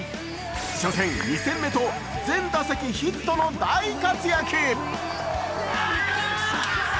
初戦、２戦目と全打席ヒットの大活躍。